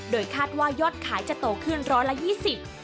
โดยคาดว่ายอดขายจะโตขึ้น๑๒๐ล้านบาท